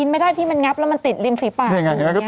จะงับอย่างไรเนอะ